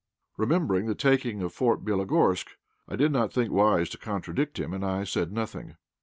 Remembering the taking of Fort Bélogorsk, I did not think wise to contradict him, and I said nothing.